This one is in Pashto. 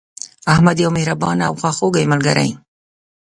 احمد یو مهربانه او خواخوږی ملګری